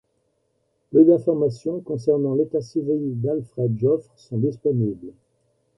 Peu d'informations concernant l'état civil d'Alfred Joffre sont disponibles.